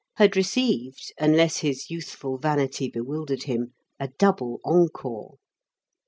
had received, unless his youthful vanity bewildered him, a double encore."